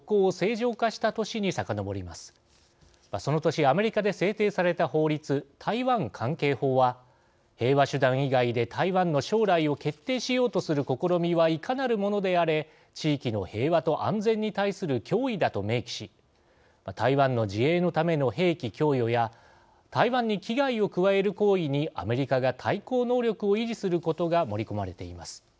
その年アメリカで制定された法律台湾関係法は平和手段以外で台湾の将来を決定しようとする試みはいかなるものであれ地域の平和と安全に対する脅威だと明記し台湾の自衛のための兵器供与や台湾に危害を加える行為にアメリカが対抗能力を維持することが盛り込まれています。